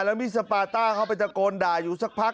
แล้วมีสปาต้าเข้าไปตะโกนด่าอยู่สักพัก